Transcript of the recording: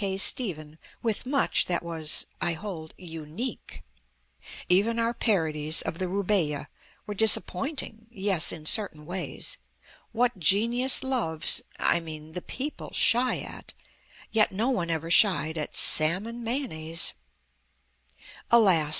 K. Stephen With much that was (I hold) unique, Even our parodies of the Rubáiyát Were disappointing yes, in certain ways: What genius loves (I mean) the people shy at Yet no one ever shied at Salmon Mayonnaise! Alas!